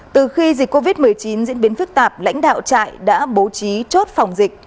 từ khi dịch covid một mươi chín diễn biến phức tạp lãnh đạo trại đã bố trí chốt phòng dịch